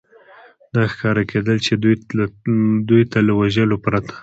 دا ښکاره کېدل، چې دوی ته له وژلو پرته.